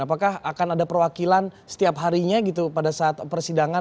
apakah akan ada perwakilan setiap harinya gitu pada saat persidangan